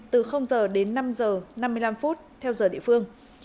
từ h đến năm h năm mươi năm theo giờ địa phương